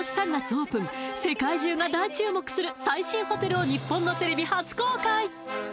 オープン世界中が大注目する最新ホテルを日本のテレビ初公開！！